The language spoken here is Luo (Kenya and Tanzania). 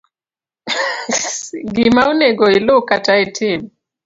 Gima onego ilu kata itim;